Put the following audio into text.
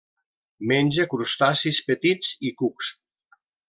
Menja crustacis petits i cucs.